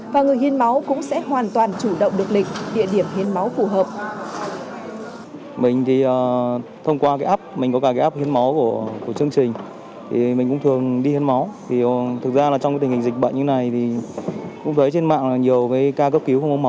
và người hiến máu cũng sẽ hoàn toàn chủ động được lịch địa điểm hiến máu phù hợp